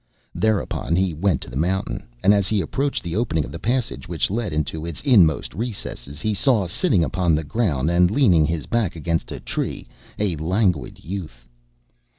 Thereupon he went to the mountain, and as he approached the opening of the passage which led into its inmost recesses he saw, sitting upon the ground, and leaning his back against a tree, a Languid Youth.